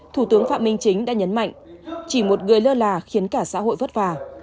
thủ tướng phạm minh chính đã nhấn mạnh chỉ một người lơ là khiến cả xã hội vất vả